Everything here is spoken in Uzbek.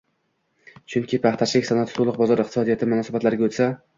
chunki paxtachilik sanoati to‘liq bozor iqtisodiyoti munosabatlariga o‘tsa